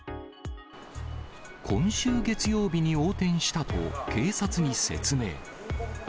今週月曜日に横転したと、警察に説明。